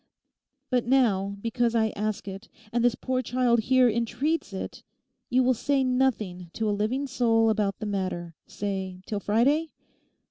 But now, because I ask it, and this poor child here entreats it, you will say nothing to a living soul about the matter, say, till Friday?